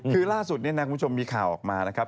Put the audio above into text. คือล่าสุดเนี่ยนะคุณผู้ชมมีข่าวออกมานะครับ